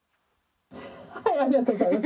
ありがとうございます。